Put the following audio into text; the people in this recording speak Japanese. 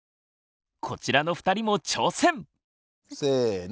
こちらの２人も挑戦！せの！